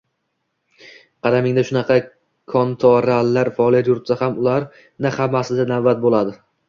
Qadamingda shunaqa kontoralar faoliyat yuritsa ham, ularni hammasida navbat bo‘ladi.